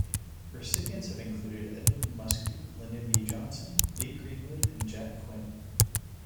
Recipients have included Edmund Muskie, Lyndon B. Johnson, Lee Greenwood, and Jack Quinn.